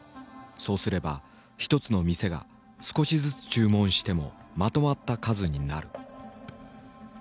そうすれば１つの店が少しずつ注文してもまとまった数になる」。